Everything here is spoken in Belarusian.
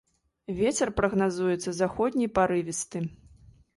Вецер прагназуецца заходні парывісты.